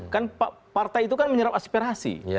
kan partai itu kan menyerap aspirasi